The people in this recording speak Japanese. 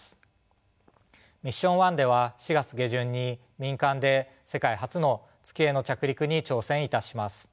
ミッション１では４月下旬に民間で世界初の月への着陸に挑戦いたします。